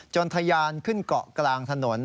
ทะยานขึ้นเกาะกลางถนน